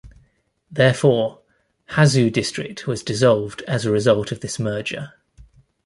Therefore, Hazu District was dissolved as a result of this merger.